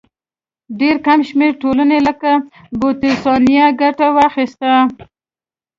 ډېر کم شمېر ټولنو لکه بوتسوانیا ګټه واخیسته.